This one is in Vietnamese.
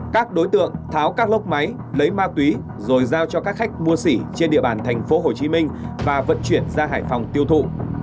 các đối tượng tháo các lốc máy lấy ma túy rồi giao cho các khách mua sỉ trên địa bàn thành phố hồ chí minh và vận chuyển ra hải phòng tiêu thụ